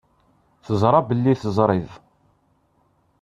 Teẓra belli teẓriḍ.